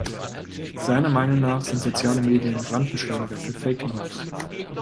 Seiner Meinung nach sind soziale Medien Brandbeschleuniger für Fake-News.